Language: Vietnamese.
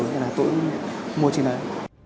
nên là tôi mua trên này